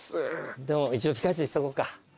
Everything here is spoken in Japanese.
でも一応ピカチュウにしとこうか。